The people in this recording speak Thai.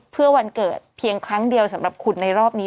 เพื่อวันเกิดเพียงครั้งเดียวสำหรับคุณในรอบนี้